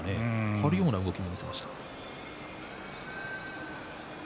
張るような動きも見せました。